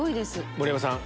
盛山さん